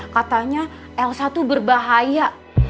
katanya elsa tuh berbahaya